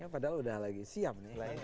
padahal sudah lagi siap